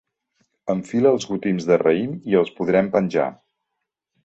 Enfila els gotims de raïms i els podrem penjar.